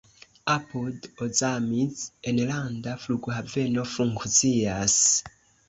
Apud Ozamiz enlanda flughaveno funkcias.